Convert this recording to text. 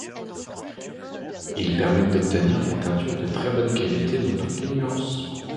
Ils permettent d'obtenir des teintures de très bonnes qualités dans toutes les nuances.